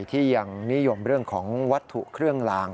ที่ยังนิยมเรื่องของวัตถุเครื่องลาง